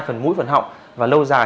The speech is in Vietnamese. phần mũi phần họng và lâu dài